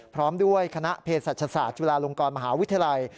พร้อมด้วยคณะเพศศาสตร์จุฬาลงกรมหาวิทยาลัย